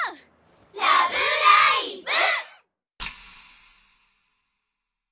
ラブライブ！